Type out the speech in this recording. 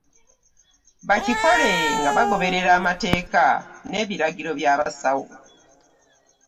Bakikole nga bagoberera amateeka n'ebiragiro by'abasawo.